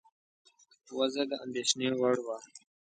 وضع د اندېښنې وړ وه.